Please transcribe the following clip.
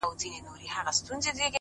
o لكه برېښنا؛